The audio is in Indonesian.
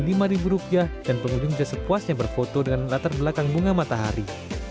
pemilik lahan rupiah dan pengunjung jasa puasnya berfoto dengan latar belakang bunga matahari